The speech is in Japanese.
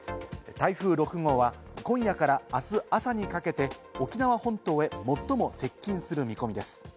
台風６号は今夜からあす朝にかけて沖縄本島へ最も接近する見込みです。